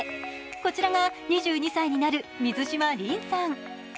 こちらが２２歳になる水嶋凜さん。